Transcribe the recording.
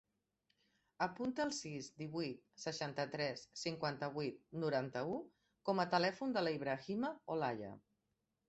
Apunta el sis, divuit, seixanta-tres, cinquanta-vuit, noranta-u com a telèfon de l'Ibrahima Olaya.